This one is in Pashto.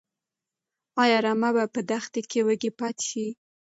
ايا رمه به په دښته کې وږي پاتې شي؟